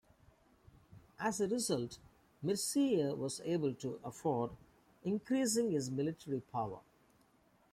As a result, Mircea was able to afford increasing his military power.